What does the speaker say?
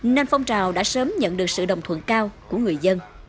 nên phong trào đã sớm nhận được sự đồng thuận cao của người dân